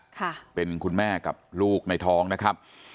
ค่ะเป็นคุณแม่กับลูกในท้องนะครับ